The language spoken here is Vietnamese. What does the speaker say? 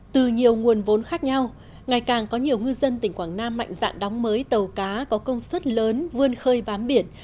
từ nhiều nguồn vốn khác nhau ngày càng có nhiều ngư dân tỉnh quảng nam mạnh dạn đóng mới tàu cá có công suất lớn vươn khơi bám biển